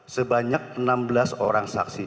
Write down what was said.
sebanyak enam belas orang saksi